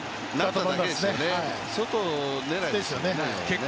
外狙いですよね。